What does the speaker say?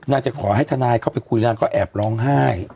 จะขอให้ทนายเข้าไปคุยนางก็แอบร้องไห้